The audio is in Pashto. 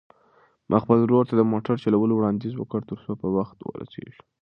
ما خپل ورور ته د موټر چلولو وړاندیز وکړ ترڅو په وخت ورسېږو.